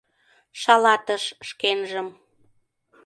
Шалатыш шкенжым.